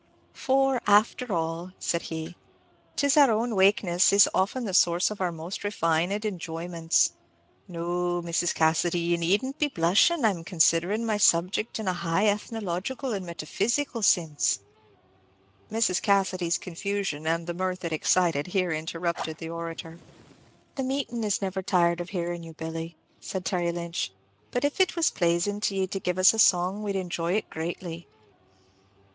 "For, after all," said he, "'tis our own wakenesses is often the source of our most refined enjoyments. No, Mrs. Cassidy, ye need n't be blushin'. I 'm considerin' my subject in a high ethnological and metaphysical sinse." Mrs. Cassidy's confusion, and the mirth it excited, here interrupted the orator. "The meeting is never tired of hearin' you, Billy," said Terry Lynch; "but if it was plazin' to ye to give us a song, we'd enjoy it greatly."